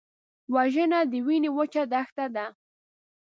وژنه د وینې وچه دښته ده